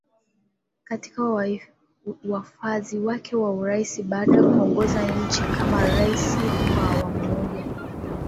katika wadhifa wake wa Urais Baada ya kuongoza nchi kama rais kwa awamu moja